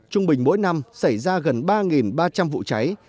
trung bình mỗi năm xảy ra gần ba ba trăm linh vụ cháy